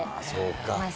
そうか。